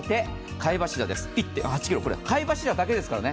貝柱だけですからね。